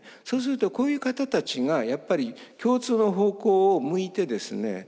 そうするとこういう方たちがやっぱり共通の方向を向いてですね